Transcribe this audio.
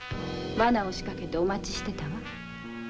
罠を仕掛けてお待ちしてたわ。